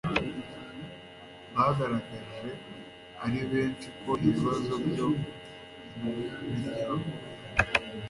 bagaragaje ari benshi ko ibibazo byo mu miryango